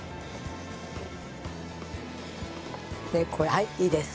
はいいいです。